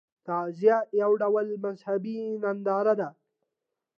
تعزیه یو ډول مذهبي ننداره ده.